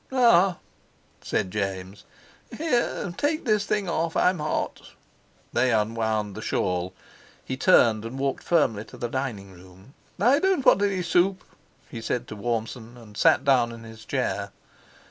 "Ah!" said James. "Here, take this thing off, I'm hot." They unwound the shawl. He turned, and walked firmly to the dining room. "I don't want any soup," he said to Warmson, and sat down in his chair.